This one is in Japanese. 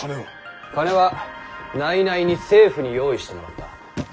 金は内々に政府に用意してもらった。